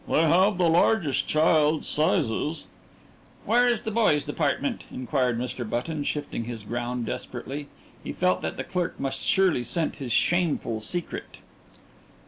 "They have the largest child's sizes." "Where is the boys' department?" inquired Mr. Button, shifting his ground desperately. He felt that the clerk must surely scent his shameful secret.